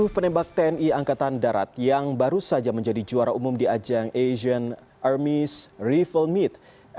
tiga puluh tujuh penembak tni angkatan darat yang baru saja menjadi juara umum di ajang asian army's rival meet